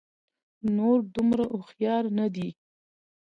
نور دومره هوښيار نه دي